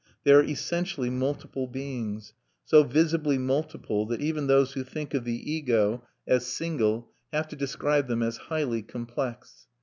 They are essentially multiple beings, so visibly multiple that even those who think of the Ego as single have to describe them as "highly complex."